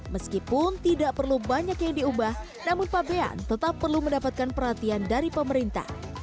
meskipun tidak perlu banyak yang diubah namun pabean tetap perlu mendapatkan perhatian dari pemerintah